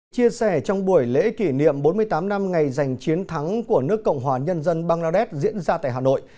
chia sẻ trong buổi lễ kỷ niệm bốn mươi tám năm ngày giành chiến thắng của nước cộng hòa nhân dân bangladesh diễn ra tại hà nội